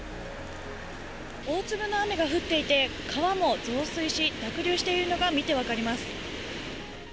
大粒の雨が降っていて、川も増水し、濁流しているのが見て分かります。